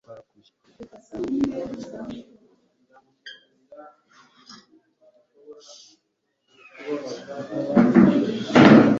Leta Mbirigi ibatumye kwica Abafaransa barabakuye